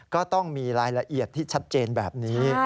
ก็ต้องมีรายละเอียดที่ชัดเจนแบบนี้